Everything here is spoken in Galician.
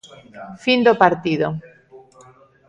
Fin do partido.